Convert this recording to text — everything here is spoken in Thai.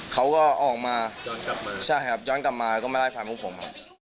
เขาก็ออกมาจ้อนกลับมาแล้วก็มาไล่ฟันพวกผม